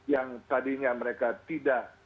yang tadinya mereka tidak